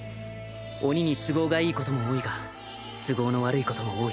鬼に都合がいいことも多いが都合の悪いことも多い。